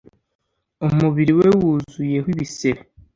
umubiri we wuzuyeho ibisebe